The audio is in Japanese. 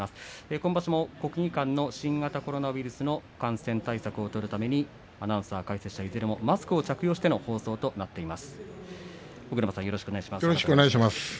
今場所の国技館の新型コロナウイルスの感染対策を取るためにアナウンサー解説者いずれもマスクをしての放送となっています。